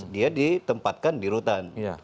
dia ditempatkan di rutan